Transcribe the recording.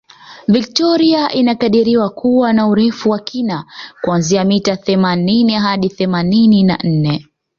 Victoria inakadiriwa kuwa na Urefu wa kina kuanzia mita themanini hadi themanini na nne